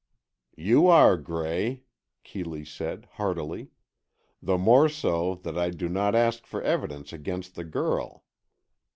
"You are, Gray," Keeley said, heartily. "The more so, that I do not ask for evidence against the girl.